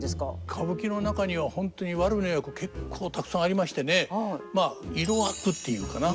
歌舞伎の中には本当にワルの役結構たくさんありましてねまあ色悪っていうのかな。